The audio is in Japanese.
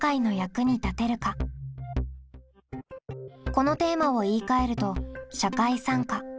このテーマを言いかえると「社会参加」。